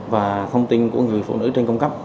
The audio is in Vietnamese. và thông tin của người phụ nữ trên cung cấp